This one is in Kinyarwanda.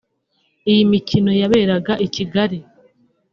iyi mikino yaberaga i Kigali